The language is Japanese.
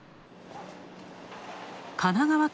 神奈川県・